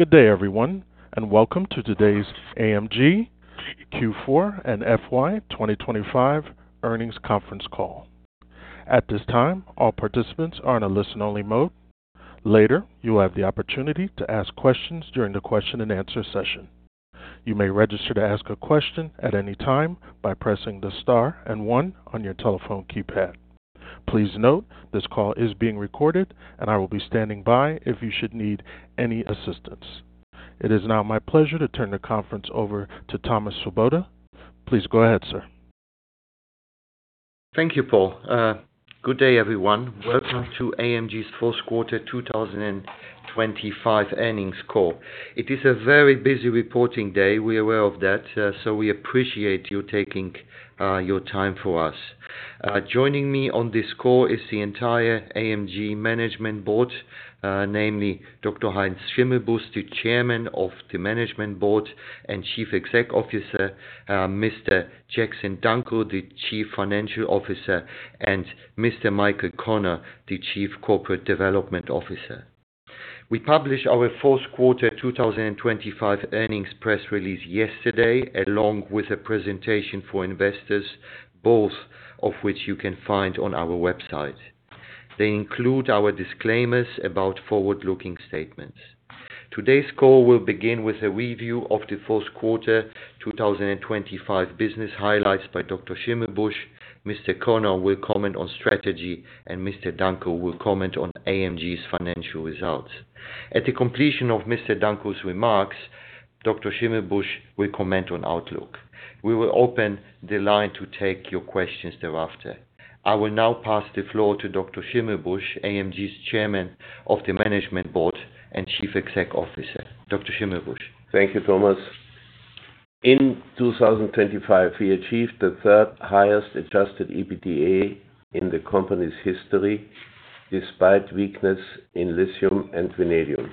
Good day, everyone, and welcome to today's AMG Q4 and FY 2025 earnings conference call. At this time, all participants are in a listen-only mode. Later, you will have the opportunity to ask questions during the question and answer session. You may register to ask a question at any time by pressing the star and one on your telephone keypad. Please note, this call is being recorded, and I will be standing by if you should need any assistance. It is now my pleasure to turn the conference over to Thomas Swoboda. Please go ahead, sir. Thank you, Paul. Good day, everyone. Welcome to AMG's Q4 2025 earnings call. It is a very busy reporting day. We are aware of that, so we appreciate you taking your time for us. Joining me on this call is the entire AMG management board, namely Dr. Heinz Schimmelbusch, the Chairman of the Management Board and Chief Executive Officer, Mr. Jackson Dunckel, the Chief Financial Officer, and Mr. Michael Connor, the Chief Corporate Development Officer. We published our Q4 2025 earnings press release yesterday, along with a presentation for investors, both of which you can find on our website. They include our disclaimers about forward-looking statements. Today's call will begin with a review of the Q4 2025 business highlights by Dr. Schimmelbusch. Mr. Connor will comment on strategy, and Mr.Jackson Dunckel will comment on AMG's financial results. At the completion of Mr. Dunckel's remarks, Dr. Schimmelbusch will comment on outlook. We will open the line to take your questions thereafter. I will now pass the floor to Dr. Schimmelbusch, AMG's Chairman of the Management Board and Chief Exec Officer. Dr. Schimmelbusch. Thank you, Thomas. In 2025, we achieved the third highest adjusted EBITDA in the company's history, despite weakness in lithium and vanadium.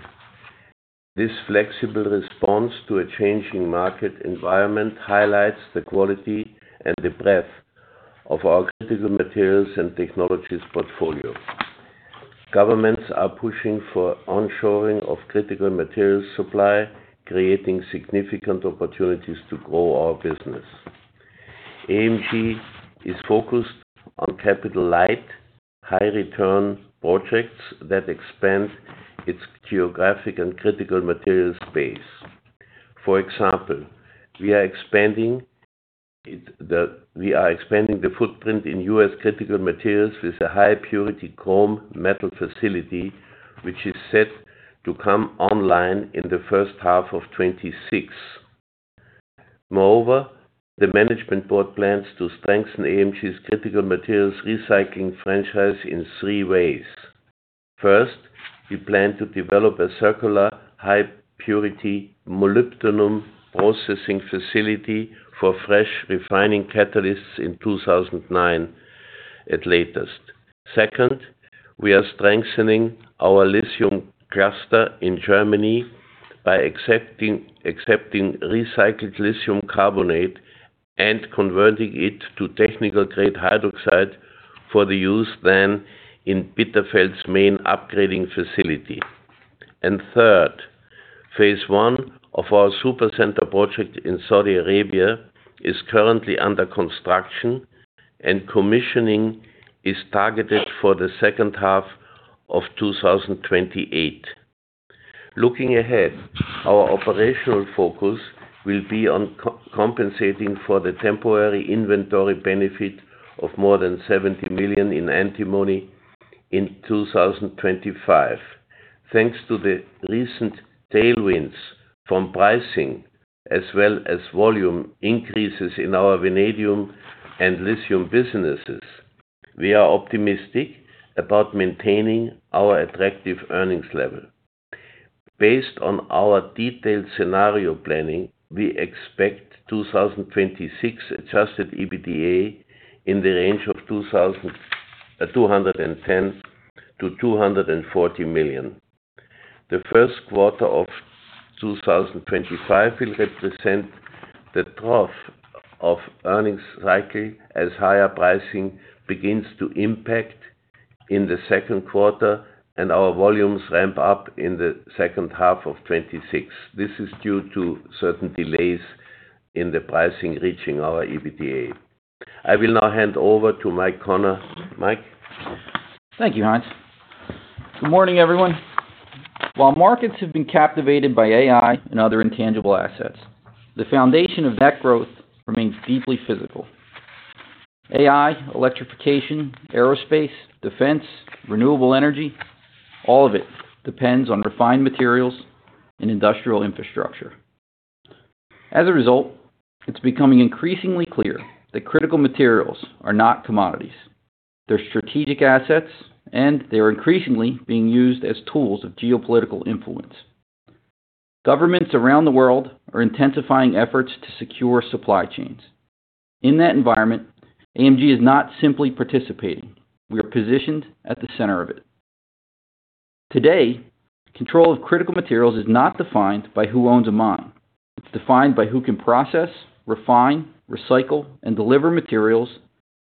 This flexible response to a changing market environment highlights the quality and the breadth of our critical materials and technologies portfolio. Governments are pushing for onshoring of critical materials supply, creating significant opportunities to grow our business. AMG is focused on capital-light, high-return projects that expand its geographic footprint and critical material portfolio. For example, we are expanding the footprint in U.S. critical materials with a high-purity chrome metal facility, which is set to come online in the first half of 2026. The management board plans to strengthen AMG's critical materials recycling franchise in three ways. We plan to develop a circular high-purity molybdenum processing facility for fresh refinery catalysts by 2029 at the latest. We are strengthening our lithium cluster in Germany by accepting recycled lithium carbonate and converting it to technical grade hydroxide for use in Bitterfeld’s main upgrading facility. Phase I of our Supercenter project in Saudi Arabia is currently under construction, and commissioning is targeted for the second half of 2028. Looking ahead, our operational focus will be on co-compensating for the temporary inventory benefit of more than $70 million in Antimony in 2025. Thanks to the recent tailwinds from pricing, as well as volume increases in our vanadium and lithium businesses, we are optimistic about maintaining our attractive earnings level. Based on our detailed scenario planning, we expect 2026 adjusted EBITDA in the range of $210 to 240 million. The Q1 of 2025 will represent the trough of earnings cycle as higher pricing begins to impact in the Q2 and our volumes ramp up in the second half of 2026. This is due to certain delays in the pricing reaching our EBITDA. I will now hand over to Michael Connor. Michael? Thank you, Heinz. Good morning, everyone. While markets have been captivated by AI and other intangible assets, the foundation of that growth remains deeply physical. AI, electrification, aerospace, defense, renewable energy, all of it depends on refined materials and industrial infrastructure. As a result, it's becoming increasingly clear that critical materials are not commodities. They're strategic assets, and they are increasingly being used as tools of geopolitical influence. Governments around the world are intensifying efforts to secure supply chains. In that environment, AMG is not simply participating, we are positioned at the center of it. Today, control of critical materials is not defined by who owns a mine.... It's defined by who can process, refine, recycle, and deliver materials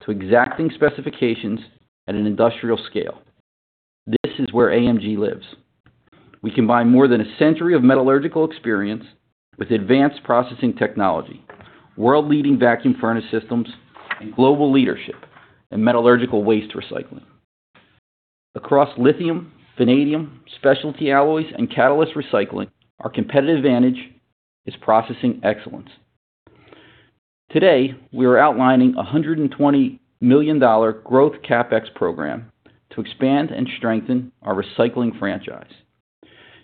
to exacting specifications at an industrial scale. This is where AMG lives. We combine more than a century of metallurgical experience with advanced processing technology, world-leading vacuum furnace systems, and global leadership in metallurgical waste recycling. Across lithium, vanadium, specialty alloys, and catalyst recycling, our competitive advantage is processing excellence. Today, we are outlining a $120 million growth CapEx program to expand and strengthen our recycling franchise.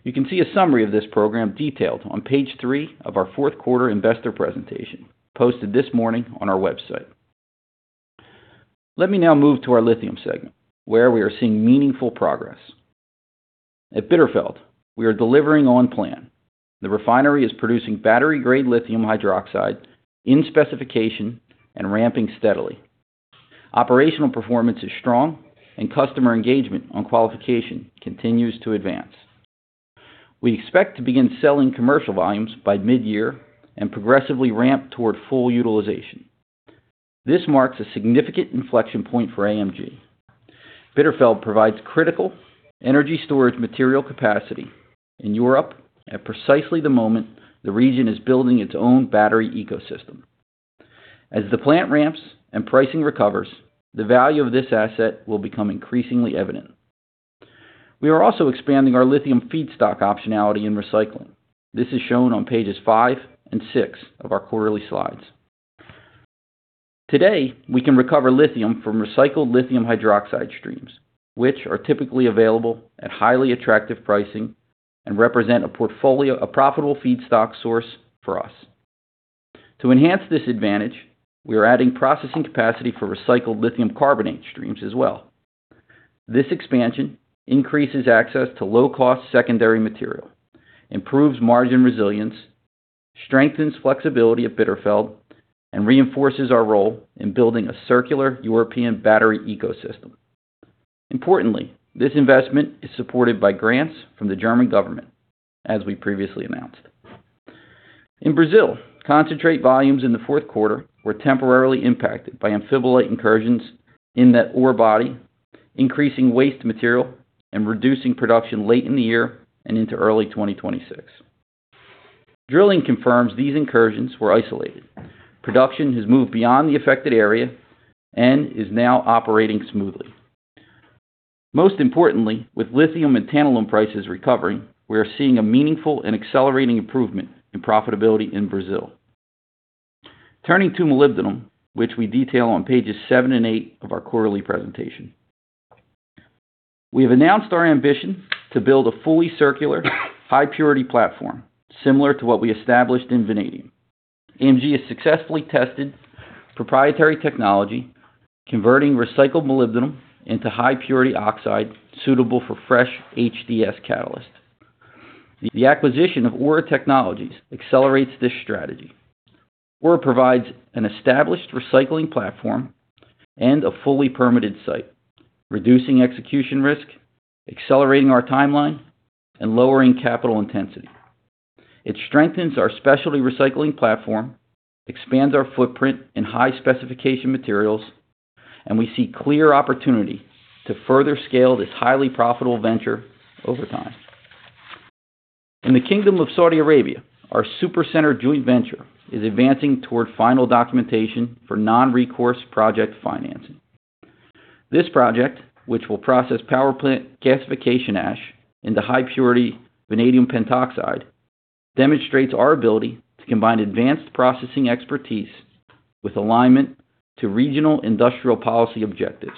You can see a summary of this program detailed on page 3 of our Q4 investor presentation, posted this morning on our website. Let me now move to our lithium segment, where we are seeing meaningful progress. At Bitterfeld, we are delivering on plan. The refinery is producing battery-grade lithium hydroxide in specification and ramping steadily. Operational performance is strong, and customer engagement on qualification continues to advance. We expect to begin selling commercial volumes by mid-year and progressively ramp toward full utilization. This marks a significant inflection point for AMG. Bitterfeld provides critical energy storage material capacity in Europe at precisely the moment the region is building its own battery ecosystem. As the plant ramps and pricing recovers, the value of this asset will become increasingly evident. We are also expanding our lithium feedstock optionality and recycling. This is shown on pages 5 and 6 of our quarterly slides. Today, we can recover lithium from recycled lithium hydroxide streams, which are typically available at highly attractive pricing and represent a profitable feedstock source for us. To enhance this advantage, we are adding processing capacity for recycled lithium carbonate streams as well. This expansion increases access to low-cost secondary material, improves margin resilience, strengthens flexibility at Bitterfeld, and reinforces our role in building a circular European battery ecosystem. Importantly, this investment is supported by grants from the German government, as we previously announced. In Brazil, concentrate volumes in the Q4 were temporarily impacted by amphibole incursions in that ore body, increasing waste material and reducing production late in the year and into early 2026. Drilling confirms these incursions were isolated. Production has moved beyond the affected area and is now operating smoothly. Most importantly, with lithium and tantalum prices recovering, we are seeing a meaningful and accelerating improvement in profitability in Brazil. Turning to molybdenum, which we detail on pages seven and eight of our quarterly presentation. We have announced our ambition to build a fully circular, high-purity platform similar to what we established in vanadium. AMG has successfully tested proprietary technology, converting recycled molybdenum into high-purity oxide suitable for fresh HDS catalyst. The acquisition of ORA Technologies accelerates this strategy. Ora provides an established recycling platform and a fully permitted site, reducing execution risk, accelerating our timeline, and lowering capital intensity. It strengthens our specialty recycling platform, expands our footprint in high-specification materials, and we see clear opportunity to further scale this highly profitable venture over time. In the Kingdom of Saudi Arabia, our Supercenter joint venture is advancing toward final documentation for non-recourse project financing. This project, which will process power plant gasification ash into high-purity vanadium pentoxide, demonstrates our ability to combine advanced processing expertise with alignment to regional industrial policy objectives.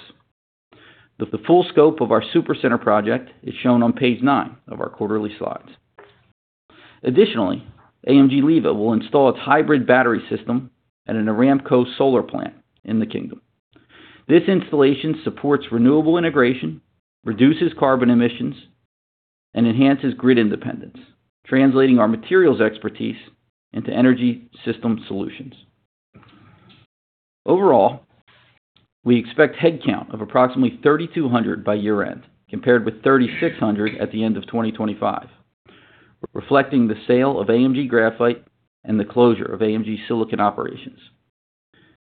The full scope of our Supercenter project is shown on page nine of our quarterly slides. Additionally, AMG LIVA will install its Hybrid Battery System at an Aramco solar plant in the kingdom. This installation supports renewable integration, reduces carbon emissions, and enhances grid independence, translating our materials expertise into energy system solutions. Overall, we expect headcount of approximately 3,200 by year-end, compared with 3,600 at the end of 2025, reflecting the sale of AMG Graphite and the closure of AMG Silicon operations.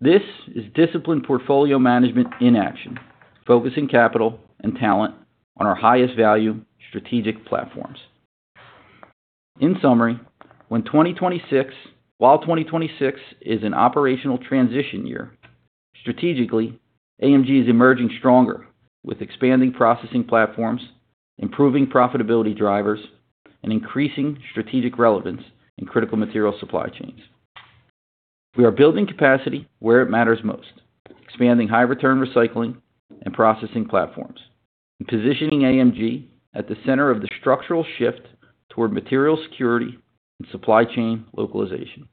This is disciplined portfolio management in action, focusing capital and talent on our highest value strategic platforms. In summary, while 2026 is an operational transition year, strategically, AMG is emerging stronger with expanding processing platforms, improving profitability drivers, and increasing strategic relevance in critical material supply chains. We are building capacity where it matters most, expanding high-return recycling and processing platforms, and positioning AMG at the center of the structural shift toward material security and supply chain localization.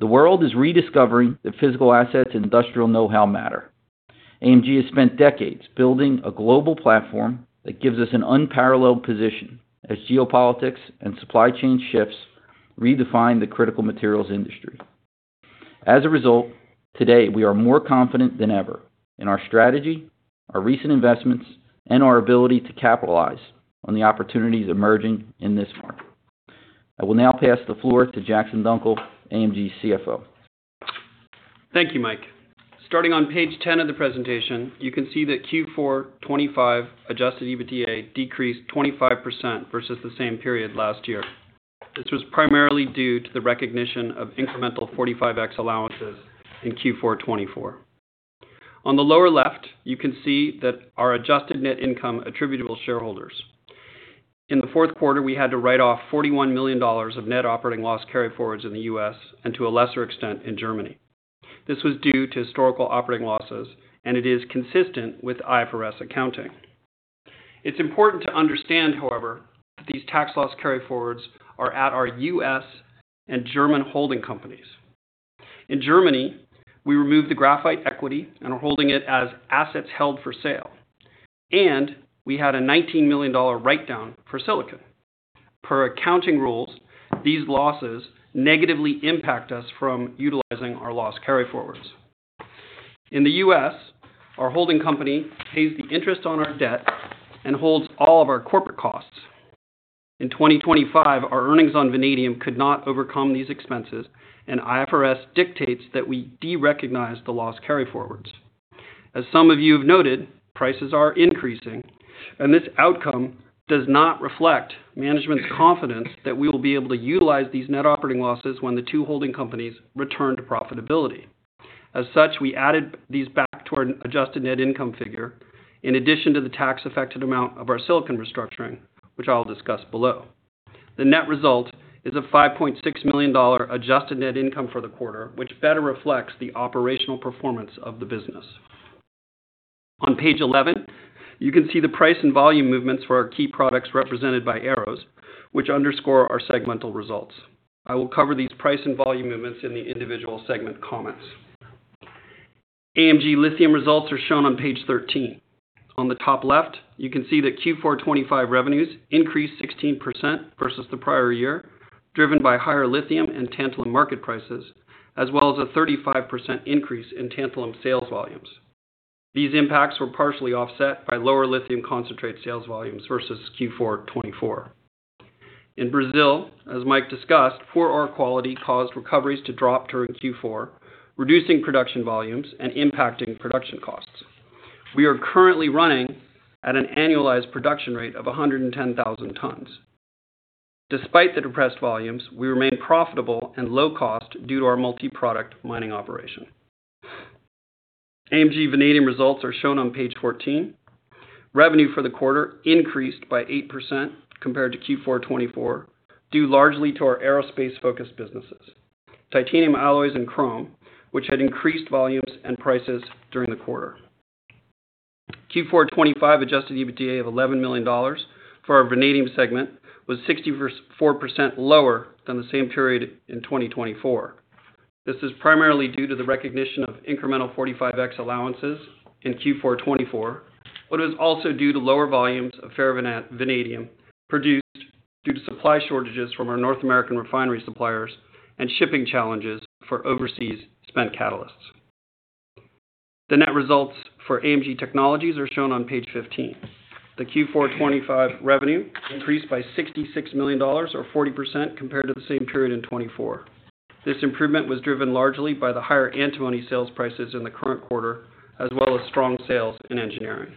The world is rediscovering that physical assets and industrial know-how matter. AMG has spent decades building a global platform that gives us an unparalleled position as geopolitics and supply chain shifts redefine the critical materials industry. As a result, today, we are more confident than ever in our strategy, our recent investments, and our ability to capitalize on the opportunities emerging in this market. I will now pass the floor to Jackson Dunckel, AMG's CFO. Thank you, Michael. Starting on page 10 of the presentation, you can see that Q4 2025 adjusted EBITDA decreased 25% versus the same period last year. This was primarily due to the recognition of incremental 45X allowances in Q4 2024. On the lower left, you can see that our adjusted net income attributable to shareholders. In the Q4, we had to write off $41 million of Net Operating Loss Carryforwards in the U.S. and to a lesser extent, in Germany. This was due to historical operating losses, and it is consistent with IFRS accounting. It's important to understand, however, that these tax loss carryforwards are at our U.S. and German holding companies. In Germany, we removed the Graphite equity and are holding it as assets held for sale, and we had a $19 million write-down for Silicon. Per accounting rules, these losses negatively impact us from utilizing our loss carryforwards. In the U.S., our holding company pays the interest on our debt and holds all of our corporate costs. In 2025, our earnings on vanadium could not overcome these expenses, and IFRS dictates that we derecognize the loss carryforwards. As some of you have noted, prices are increasing, and this outcome does not reflect management's confidence that we will be able to utilize these net operating losses when the two holding companies return to profitability. As such, we added these back to our adjusted net income figure, in addition to the tax-affected amount of our silicon restructuring, which I'll discuss below. The net result is a $5.6 million adjusted net income for the quarter, which better reflects the operational performance of the business. On page 11, you can see the price and volume movements for our key products represented by arrows, which underscore our segmental results. I will cover these price and volume movements in the individual segment comments. AMG Lithium results are shown on page 13. On the top left, you can see that Q4 2025 revenues increased 16% versus the prior year, driven by higher lithium and tantalum market prices, as well as a 35% increase in tantalum sales volumes. These impacts were partially offset by lower lithium concentrate sales volumes versus Q4 2024. In Brazil, as Mike discussed, poor ore quality caused recoveries to drop during Q4, reducing production volumes and impacting production costs. We are currently running at an annualized production rate of 110,000 tons. Despite the depressed volumes, we remain profitable and low cost due to our multi-product mining operation. AMG Vanadium results are shown on page 14. Revenue for the quarter increased by 8% compared to Q4 2024, due largely to our aerospace-focused businesses, titanium alloys and chrome, which had increased volumes and prices during the quarter. Q4 2025 adjusted EBITDA of $11 million for our Vanadium segment was 64% lower than the same period in 2024. This is primarily due to the recognition of incremental 45X allowances in Q4 2024, it was also due to lower volumes of ferrovanadium, produced due to supply shortages from our North American refinery suppliers and shipping challenges for overseas spent catalysts. The net results for AMG Technologies are shown on page 15. The Q4 2025 revenue increased by $66 million or 40% compared to the same period in 2024. This improvement was driven largely by the higher Antimony sales prices in the current quarter, as well as strong sales in engineering.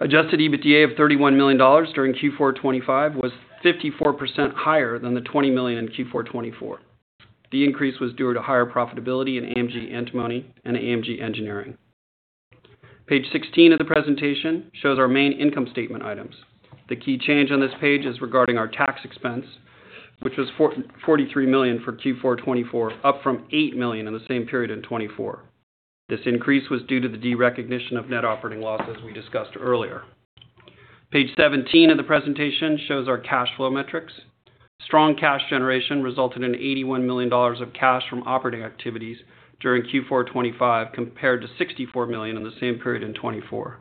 Adjusted EBITDA of $31 million during Q4 2025 was 54% higher than the $20 million in Q4 2024. The increase was due to higher profitability in AMG Antimony and AMG Engineering. Page 16 of the presentation shows our main income statement items. The key change on this page is regarding our tax expense, which was for $43 million for Q4 2024, up from $8 million in the same period in 2024. This increase was due to the derecognition of Net Operating Losses, as we discussed earlier. Page 17 of the presentation shows our cash flow metrics. Strong cash generation resulted in $81 million of cash from operating activities during Q4 2025, compared to $64 million in the same period in 2024.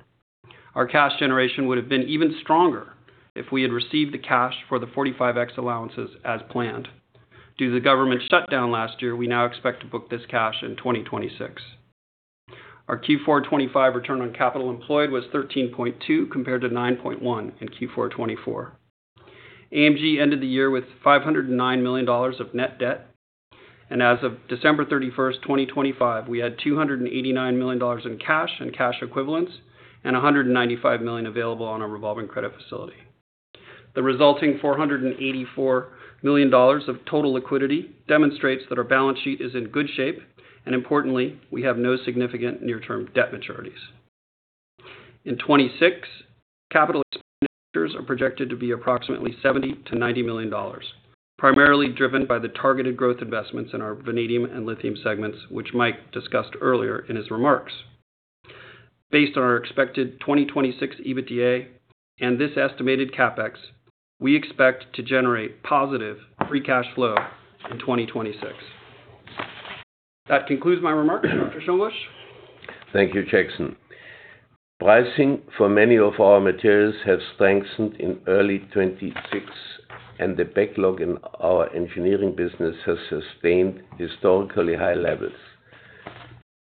Our cash generation would have been even stronger if we had received the cash for the 45X allowances as planned. Due to the government shutdown last year, we now expect to book this cash in 2026. Our Q4 '25 Return on Capital Employed was 13.2, compared to 9.1 in Q4 '24. AMG ended the year with $509 million of net debt, and as of December 31, 2025, we had $289 million in cash and cash equivalents and $195 million available on our revolving credit facility. The resulting $484 million of total liquidity demonstrates that our balance sheet is in good shape, and importantly, we have no significant near-term debt maturities. In 2026, capital expenditures are projected to be approximately $70 to 90 million, primarily driven by the targeted growth investments in our vanadium and lithium segments, which Mike discussed earlier in his remarks. Based on our expected 2026 EBITDA and this estimated CapEx, we expect to generate positive free cash flow in 2026. That concludes my remarks. Dr. Schimmelbusch. Thank you, Jackson. Pricing for many of our materials has strengthened in early 2026, and the backlog in our engineering business has sustained historically high levels.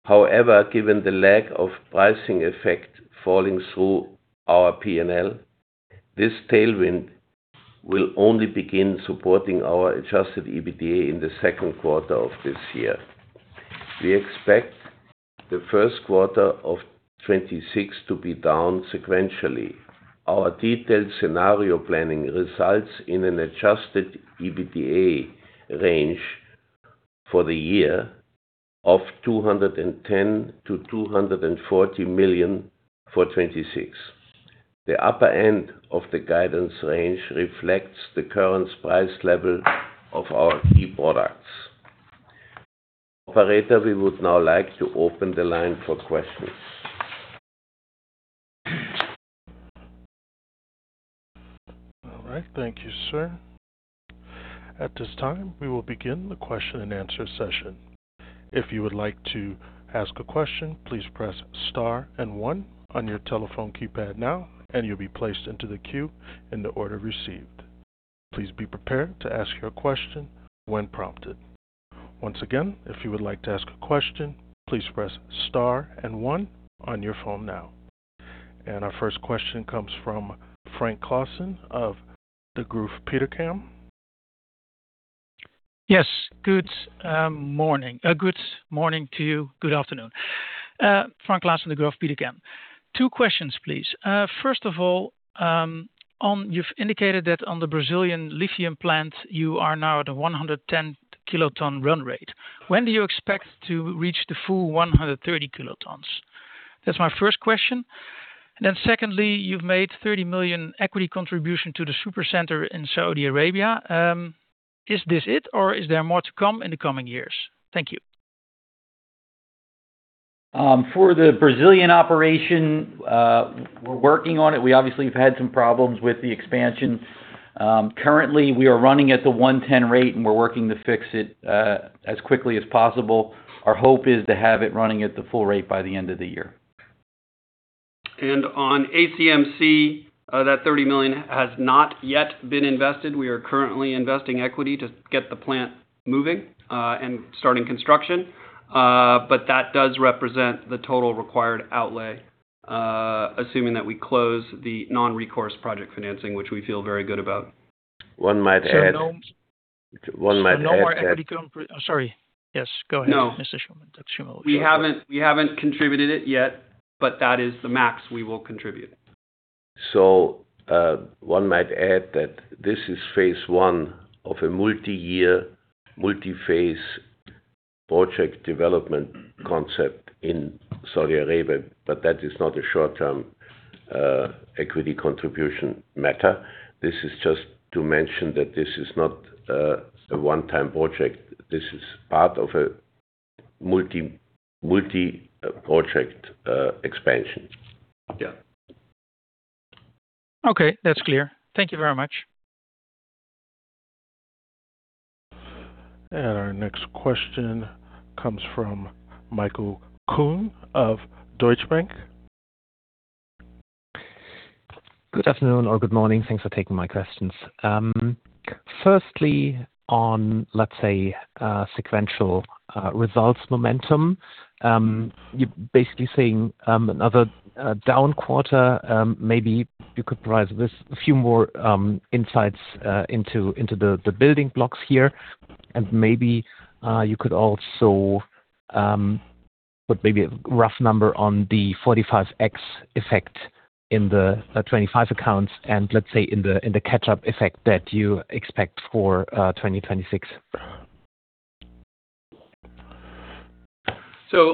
However, given the lack of pricing effect falling through our PNL, this tailwind will only begin supporting our adjusted EBITDA in the Q2 of this year. We expect the Q1 of 2026 to be down sequentially. Our detailed scenario planning results in an adjusted EBITDA range for the year of $210 to 240 million for 2026. The upper end of the guidance range reflects the current price level of our key products. Operator, we would now like to open the line for questions. All right. Thank you, sir. At this time, we will begin the question-and-answer session. If you would like to ask a question, please press Star and one on your telephone keypad now, and you'll be placed into the queue in the order received. Please be prepared to ask your question when prompted. Once again, if you would like to ask a question, please press Star and one on your phone now. Our first question comes from Frank Claassen of the Degroof Petercam. Yes, Good morning to you. Good afternoon. Frank Claassen of Degroof Petercam. Two questions, please. First of all, you've indicated that on the Brazilian lithium plant, you are now at a 110 kiloton run rate. When do you expect to reach the full 130 kilotons? That's my first question. Secondly, you've made $30 million equity contribution to the Supercenter in Saudi Arabia. Is this it, or is there more to come in the coming years? Thank you. For the Brazilian operation, we're working on it. We obviously have had some problems with the expansion. Currently, we are running at the 110 rate, and we're working to fix it as quickly as possible. Our hope is to have it running at the full rate by the end of the year. On ACMC, that $30 million has not yet been invested. We are currently investing equity to get the plant moving, and starting construction. That does represent the total required outlay, assuming that we close the non-recourse project financing, which we feel very good about. One might add. So no more. One might add. No more equity. Oh, sorry. Yes, go ahead, Dr. Schimmelbusch. We haven't contributed it yet, but that is the max we will contribute. One might add that this is Phase one of a multi-year, multi-Phase project development concept in Saudi Arabia. That is not a short-term equity contribution matter. This is just to mention that this is not a one-time project. This is part of a multi-project expansion. Yeah. Okay, that's clear. Thank you very much. Our next question comes from Michael Kuhn of Deutsche Bank. Good afternoon or good morning. Thanks for taking my questions. Firstly, on, let's say, sequential results momentum, you're basically saying another down quarter. Maybe you could provide us with a few more insights into the building blocks here, and maybe you could also put maybe a rough number on the 45X effect in the 2025 accounts and let's say, in the catch-up effect that you expect for 2026.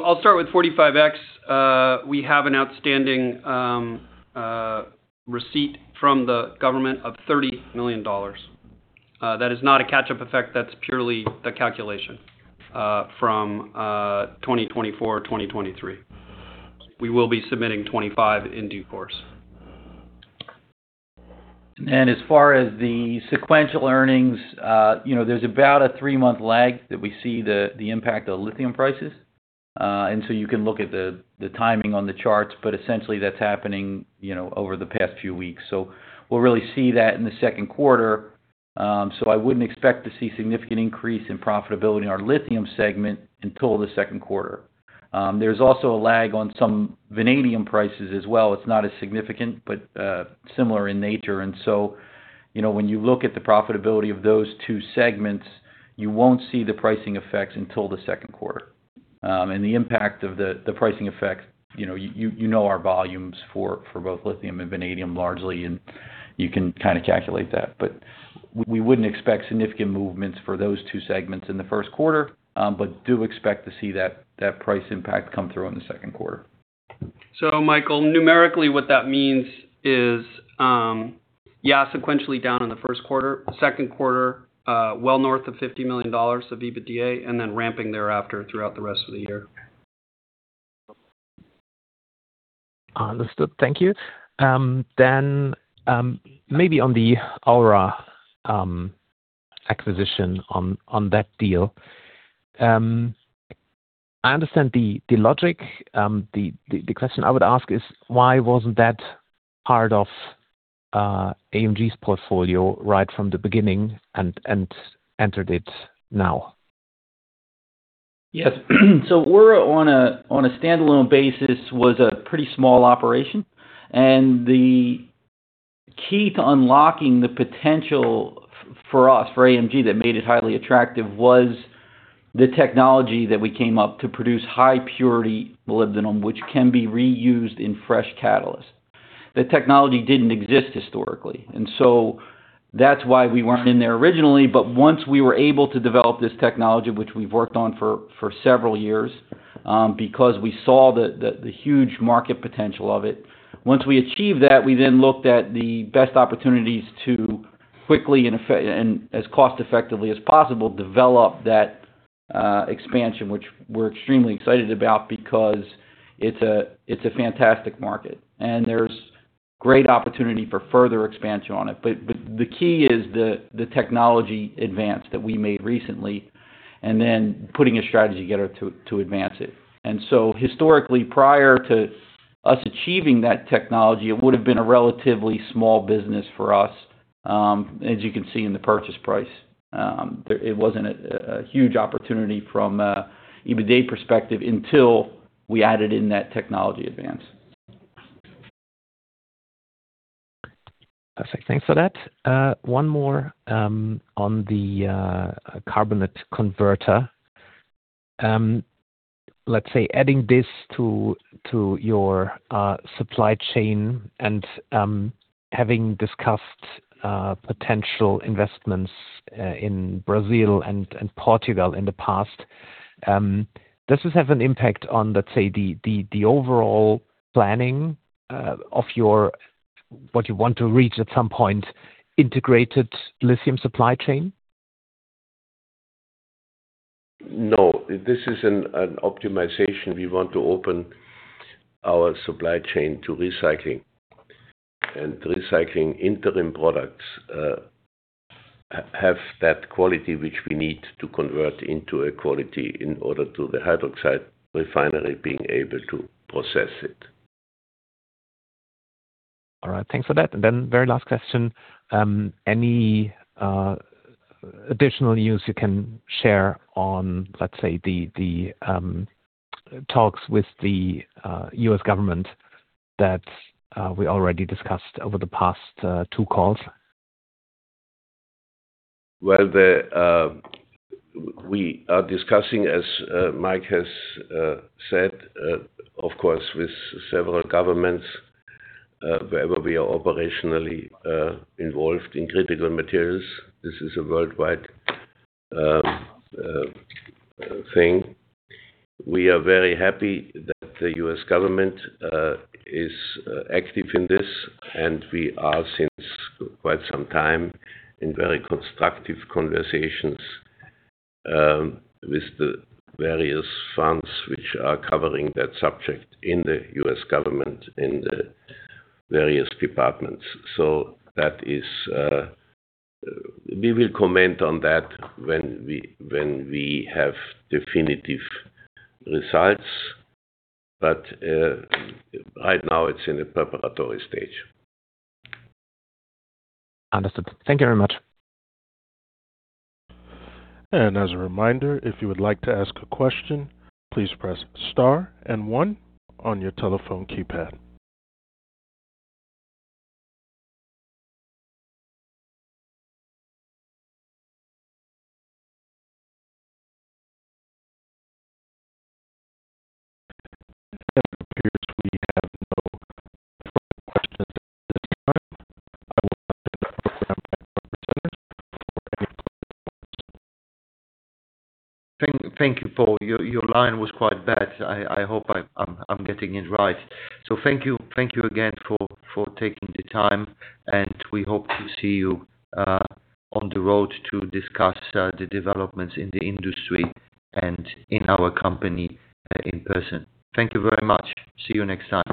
I'll start with 45X. We have an outstanding receipt from the government of $30 million. That is not a catch-up effect, that's purely the calculation from 2024, 2023. We will be submitting 2025 in due course. As far as the sequential earnings, you know, there's about a three-month lag that we see the impact of Lithium prices. You can look at the timing on the charts, but essentially that's happening, you know, over the past few weeks. We'll really see that in the Q2. I wouldn't expect to see significant increase in profitability in our Lithium segment until the Q2. There's also a lag on some Vanadium prices as well. It's not as significant, but similar in nature. You know, when you look at the profitability of those two segments, you won't see the pricing effects until the Q2. The impact of the pricing effect, you know, you know our volumes for both Lithium and Vanadium, largely, and you can kinda calculate that. We wouldn't expect significant movements for those two segments in the Q1, but do expect to see that price impact come through in the Q2. Michael, numerically, what that means is, yeah, sequentially down in the Q1. Q2, well north of $50 million of EBITDA, and then ramping thereafter throughout the rest of the year. Understood. Thank you. maybe on the ORA acquisition on that deal. I understand the logic. The question I would ask is why wasn't that part of AMG's portfolio right from the beginning and entered it now? Yes. ORA on a standalone basis was a pretty small operation, and the key to unlocking the potential for us, for AMG, that made it highly attractive was the technology that we came up to produce high-purity molybdenum, which can be reused in fresh catalyst. The technology didn't exist historically, that's why we weren't in there originally. Once we were able to develop this technology, which we've worked on for several years, because we saw the huge market potential of it. Once we achieved that, we looked at the best opportunities to quickly and as cost effectively as possible, develop that expansion, which we're extremely excited about because it's a fantastic market and there's great opportunity for further expansion on it. The key is the technology advance that we made recently, and then putting a strategy together to advance it. Historically, prior to us achieving that technology, it would have been a relatively small business for us, as you can see in the purchase price. It wasn't a, a huge opportunity from, EBITDA perspective until we added in that technology advance. Perfect. Thanks for that. One more, on the carbonate converter, let's say adding this to your supply chain and, having discussed, potential investments, in Brazil and Portugal in the past, does this have an impact on, let's say, the overall planning, of your what you want to reach at some point, integrated lithium supply chain? No, this is an optimization. We want to open our supply chain to recycling, and recycling interim products, have that quality which we need to convert into a quality in order to the hydroxide refinery being able to process it. All right. Thanks for that. Very last question. Any additional news you can share on, let's say, the talks with the U.S. government that we already discussed over the past two calls? Well, the we are discussing, as Michael has said, of course, with several governments, wherever we are operationally involved in critical materials. This is a worldwide thing. We are very happy that the U.S. government is active in this. We are, since quite some time, in very constructive conversations with the various funds which are covering that subject in the U.S. government, in the various departments. That is. We will comment on that when we have definitive results, but right now it's in a preparatory stage. Understood. Thank you very much. As a reminder, if you would like to ask a question, please press star and one on your telephone keypad. It appears we have no further questions at this time, I will now turn the program back over to the presenters for any closing remarks. Thank you for. Your line was quite bad. I hope I'm getting it right. Thank you again for taking the time, and we hope to see you on the road to discuss the developments in the industry and in our company in person. Thank you very much. See you next time.